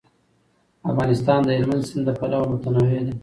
افغانستان د هلمند سیند له پلوه متنوع دی.